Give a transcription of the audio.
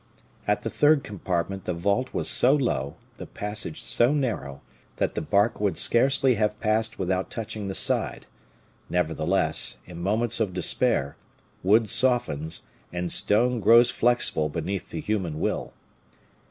At the third compartment the vault was so low, the passage so narrow, that the bark would scarcely have passed without touching the side; nevertheless, in moments of despair, wood softens and stone grows flexible beneath the human will.